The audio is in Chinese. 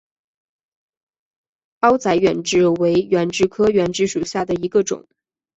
凹籽远志为远志科远志属下的一个种。